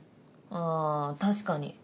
あぁ確かに。